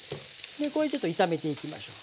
これでちょっと炒めていきましょう。